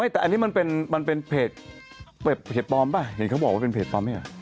แต่อันนี้มันเป็นเพจปลอมป่ะเห็นเขาบอกว่าเป็นเพจปลอมไหมอ่ะ